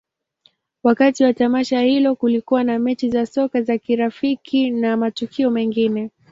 Wakati wa tamasha hilo, kulikuwa na mechi za soka za kirafiki na matukio mengine.